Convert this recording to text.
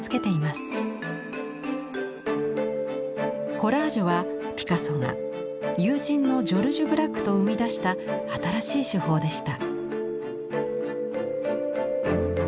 コラージュはピカソが友人のジョルジュ・ブラックと生み出した新しい手法でした。